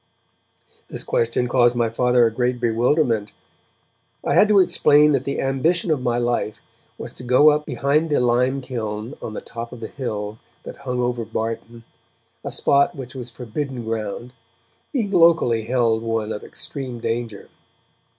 This question caused my Father a great bewilderment. I had to explain that the ambition of my life was to go up behind the lime kiln on the top of the hill that hung over Barton, a spot which was forbidden ground, being locally held one of extreme danger.